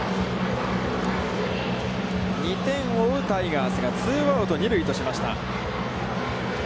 ２点を追うタイガースがツーアウト、二塁としました。